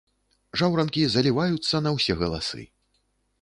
Жаўранкі заліваюцца на ўсе галасы.